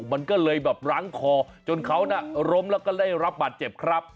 มันก็เลยแบบรั้งคอจนเขาน่ะล้มแล้วก็ได้รับบาดเจ็บครับ